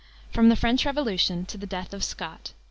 FROM THE FRENCH REVOLUTION TO THE DEATH OF SCOTT.